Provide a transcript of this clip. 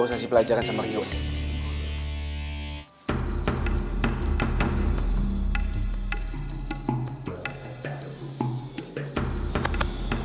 gue usah si pelajaran sama rio nih